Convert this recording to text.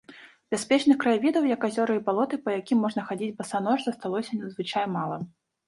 Бяспечных краявідаў, як азёры і балоты, па якім можна хадзіць басанож, засталося надзвычай мала.